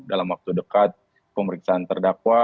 dalam waktu dekat pemeriksaan terdakwa